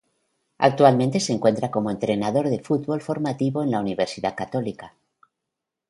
Actualmente se encuentra como entrenador de Fútbol formativo en Universidad Católica.